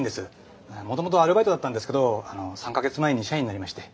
もともとアルバイトだったんですけどあの３か月前に社員になりまして。